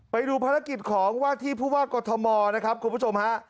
ไปดูภารกิจของว่าที่ผู้ว่ากอทมนะครับคุณผู้ชมฮะ